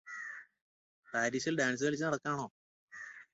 പാരിസിൽ dance കളിച്ചു നടക്കാണോ